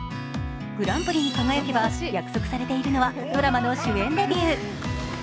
グランプリに輝けば、約束されているのはドラマの主演デビュー。